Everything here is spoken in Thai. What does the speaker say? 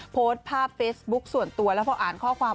โพสต์ภาพเฟซบุ๊คส่วนตัวแล้วพออ่านข้อความ